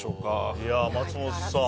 いやあ松本さん